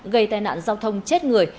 gây tai nạn giao thông chết người